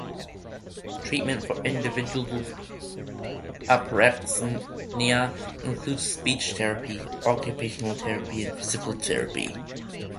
Treatment for individuals with apraxia includes speech therapy, occupational therapy, and physical therapy.